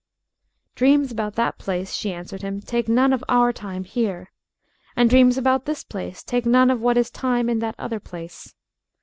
"Dreams about that place," she answered him, "take none of our time here. And dreams about this place take none of what is time in that other place."